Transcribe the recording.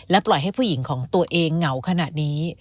ปล่อยให้ผู้หญิงของตัวเองเหงาขนาดนี้